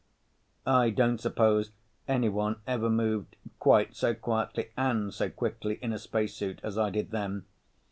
I don't suppose anyone ever moved quite so quietly and so quickly in a spacesuit as I did then.